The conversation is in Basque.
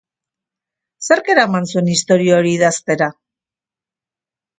Zerk eraman zuen istorio hori idaztera?